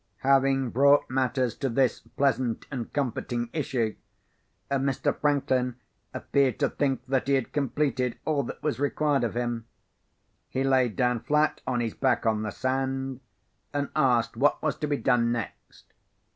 Having brought matters to this pleasant and comforting issue, Mr. Franklin appeared to think that he had completed all that was required of him. He laid down flat on his back on the sand, and asked what was to be done next.